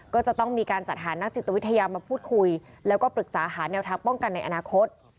ก็จะต้องมีการจัดหานักจิตวิทยามาพูดคุยแล้วก็ปรึกษาหาแนวทางป้องกันในอนาคต